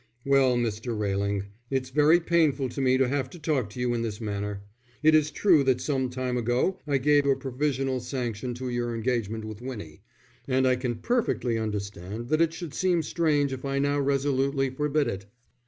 "Well, Mr. Railing, it's very painful to me to have to talk to you in this manner. It is true that some time ago I gave a provisional sanction to your engagement with Winnie, and I can perfectly understand that it should seem strange if I now resolutely forbid it.